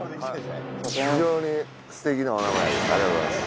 非常にすてきなお名前でありがとうございます。